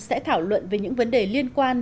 sẽ thảo luận về những vấn đề liên quan